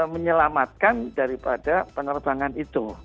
menyelamatkan daripada penerbangan itu